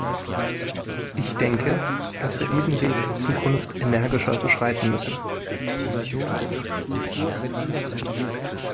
Ich denke, dass wir diesen Weg in Zukunft energischer beschreiten müssen.